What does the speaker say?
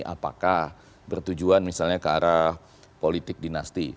apakah bertujuan misalnya ke arah politik dinasti